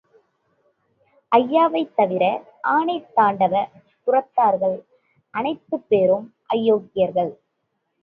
ஐயாவைத் தவிர ஆனைதாண்டவ புரத்தார் அத்தனை பேரும் அயோக்கியர்கள்.